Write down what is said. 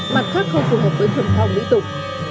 mặt khác không phù hợp với thuần phong lý tục